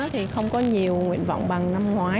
thì không có nhiều nguyện vọng bằng năm ngoái